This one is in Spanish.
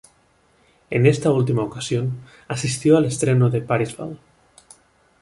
En esta última ocasión, asistió al estreno de "Parsifal".